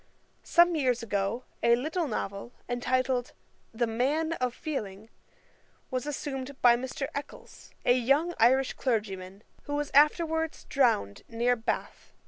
Some years ago a little novel, entitled The Man of Feeling, was assumed by Mr. Eccles, a young Irish clergyman, who was afterwards drowned near Bath.